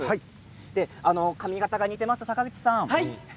髪形が似ている坂口さん